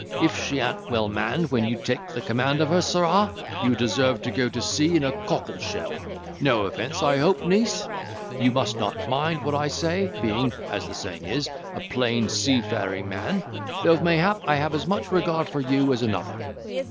If she an't well manned when you take the command of her, sirrah, you deserve to go to sea in a cockle shell. No offence, I hope, niece! you must not mind what I say, being (as the saying is) a plain seafaring man, though mayhap I have as much regard for you as another."